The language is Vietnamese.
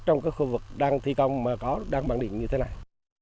trong các khu vực đang thi công mà có đăng bằng điện như thế này